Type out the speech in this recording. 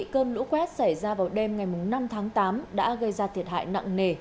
cơn lũ quét xảy ra vào đêm ngày năm tháng tám đã gây ra thiệt hại nặng nề